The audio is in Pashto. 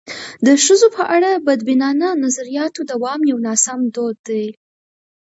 د ښځو په اړه د بدبینانه نظریاتو دوام یو ناسم دود دی.